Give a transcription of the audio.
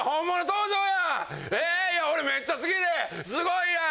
俺めっちゃ好きですごいやん！」